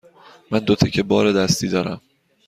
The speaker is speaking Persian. من دو تکه بار دستی دارم.